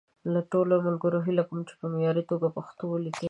له ټولو ملګرو هیله کوم چې په معیاري توګه پښتو وليکي.